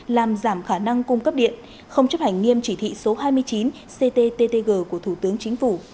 làm giảm khả năng cung cấp điện không chấp hành nghiêm chỉ thị số hai mươi chín cttg của thủ tướng chính phủ